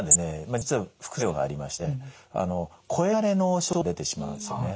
実は副作用がありまして声がれの症状が出てしまうんですよね。